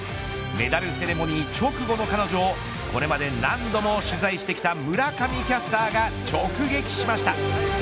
メダルセレモニー直後の彼女をこれまで何度も取材してきた村上キャスターが直撃しました。